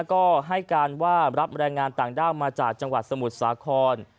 ก็ให้การว่ารับแรงงานต่างด้าวมาจากจังหวัดสมุทรสาคร